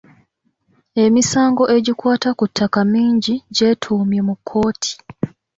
Emisango egikwata ku ttaka mingi gyetuumye mu kkooti.